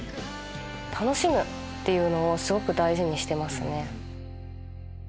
楽しむっていうのをすごく大事にしてますね。